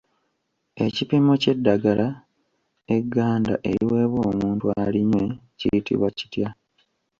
Ekipimo ky'eddagala egganda eriweebwa omuntu alinywe kiyitibwa kitya?